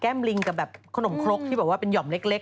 ลิงกับแบบขนมครกที่แบบว่าเป็นห่อมเล็ก